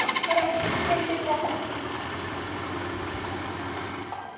これ着てみてください。